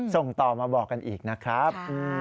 ส่งต่อมาบอกกันอีกนะครับ